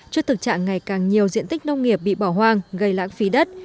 trước thực trạng ngày càng nhiều diện tích nông nghiệp bị bỏ hoang gây lãng phí đất